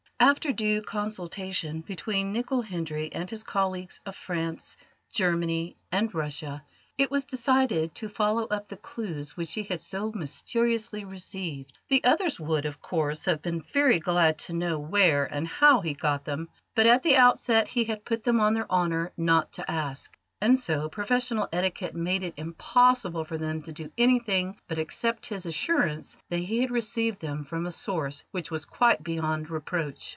After due consultation between Nicol Hendry and his colleagues of France, Germany, and Russia, it was decided to follow up the clues which he had so mysteriously received. The others would, of course, have been very glad to know where and how he got them, but at the outset he had put them on their honour not to ask, and so professional etiquette made it impossible for them to do anything but accept his assurance that he had received them from a source which was quite beyond reproach.